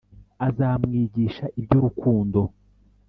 azamwigisha iby’urukundo